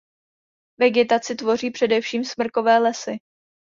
Vegetaci tvoří především smrkové lesy.